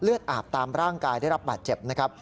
อาบตามร่างกายได้รับบาดเจ็บนะครับ